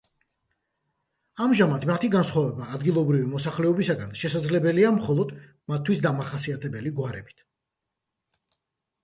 ამჟამად მათი განსხვავება ადგილობრივი მოსახლეობისაგან შესაძლებელი მხოლოდ მათთვის დამახასიათებელი გვარებით.